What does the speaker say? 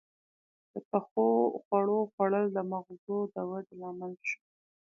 • د پخو خوړو خوړل د مغزو د ودې لامل شول.